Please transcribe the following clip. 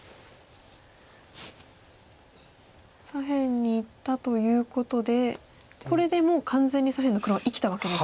左辺にいったということでこれでもう完全に左辺の黒は生きたわけですね。